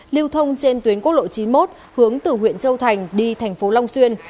lưu thông trên tuyến quốc lộ chín mươi một hướng từ huyện châu thành đi thành phố long xuyên